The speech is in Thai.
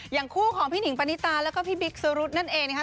อย่างคู่ของพี่หนิงปณิตาแล้วก็พี่บิ๊กสุรุษนั่นเองนะคะ